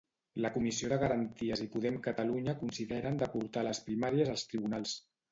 La Comissió de Garanties i Podem Catalunya consideren de portar les primàries als tribunals.